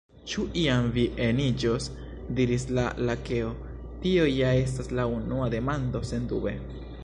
"Ĉu iam vi eniĝos?" diris la Lakeo. "Tio ja estas la unua demando. Sendube! "